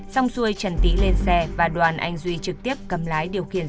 xong xuôi trần tý lên xe và đoàn anh duy trực tiếp cầm lái điều khiển